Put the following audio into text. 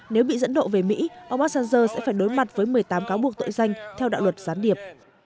nếu bị dẫn độ về mỹ ông assanger sẽ phải đối mặt với một mươi tám cáo buộc tội danh theo đạo luật gián điệp